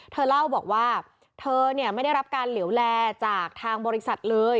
เธอเล่าบอกว่าเธอเนี่ยไม่ได้รับการเหลวแลจากทางบริษัทเลย